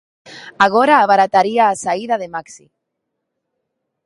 Agora abarataría a saída de Maxi.